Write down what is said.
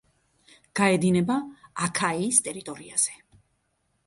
გაედინება აქაიის ტერიტორიაზე.